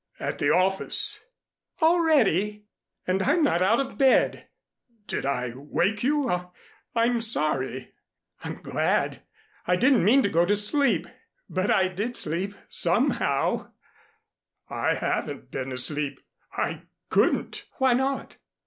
"At the office." "Already! And I'm not out of bed!" "Did I wake you? I'm sorry " "I'm glad. I didn't mean to go to sleep, but I did sleep, somehow " "I haven't been asleep. I couldn't " "Why not?"